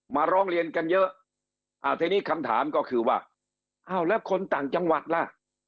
ร้องเรียนกันเยอะอ่าทีนี้คำถามก็คือว่าอ้าวแล้วคนต่างจังหวัดล่ะ